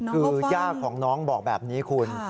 คือย่าของน้องบอกแบบนี้คุณ